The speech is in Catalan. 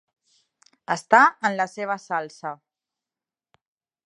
Està en la seva salsa.